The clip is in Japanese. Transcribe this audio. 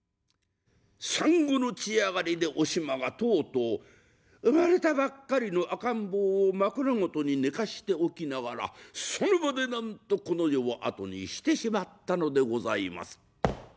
産後の血上がりでおしまが、とうとう産まれたばっかりの赤ん坊を枕元に寝かしておきながらその場で、なんとこの世を後にしてしまったのでございます。